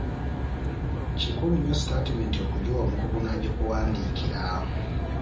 Kikulu nnyo sitaatimenti okugiwa omukugu n'agikuwandiikira.